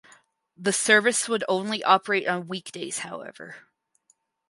The service would only operate on weekdays however.